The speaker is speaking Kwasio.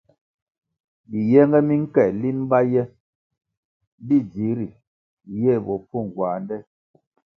Biyenge mi nke lin bá ye di dzihri ye bopfuo nguande.